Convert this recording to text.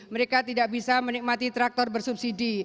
mereka tidak bisa menikmati traktor bersubsidi